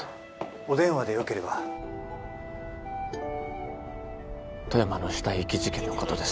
お電話でよければ富山の死体遺棄事件のことです